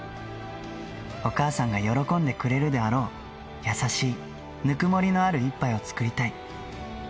お母さんが喜んでくれるであろう、優しい、ぬくもりのある一杯を作りたい。